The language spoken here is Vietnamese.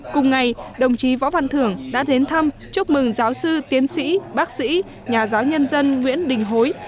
cùng ngày đồng chí võ văn thưởng đã đến thăm chúc mừng giáo sư tiến sĩ bác sĩ nhà giáo nhân dân nguyễn đình hối